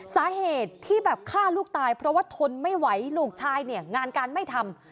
สาเหตุที่แบบฆ่าลูกตายเพราะว่าทนไม่ไหวลูกชายเนี่ยงานการไม่ทำ